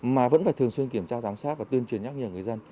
mà vẫn phải thường xuyên kiểm tra giám sát và tuyên truyền nhắc nhở người dân